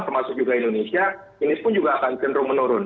termasuk juga indonesia ini pun juga akan cenderung menurun